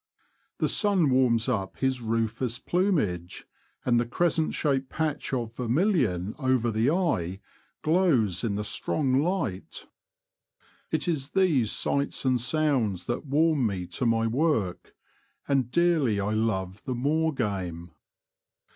The sun warms up his rufus plumage, and the crescent shaped patch of vermilion over the eye glows in the strong light. It is these The Confessions of a Poacher. 1 1 1 sights and sounds that warm me to my work, and dearly I love the moor game.